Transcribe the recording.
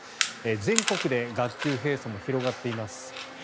全国で学級閉鎖も広がっています。